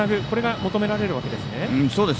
これが求められるわけですね。